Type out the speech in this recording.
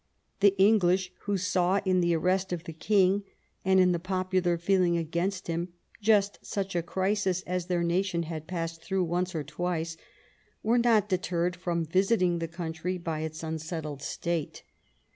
The English, who saw in the arrest of the king, and in the popular feeling against him, just such a crisis as their nation had passed through once or twice, were not deterred from visiting the country by its'unsettled state.